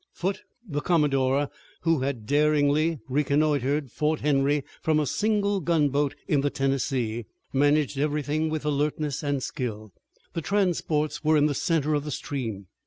Foote, the commodore who had daringly reconnoitered Fort Henry from a single gunboat in the Tennessee, managed everything with alertness and skill. The transports were in the center of the stream.